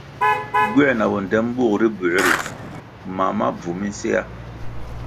Gywer na bondtem bug ri buěr ri mam ma bvu minséa.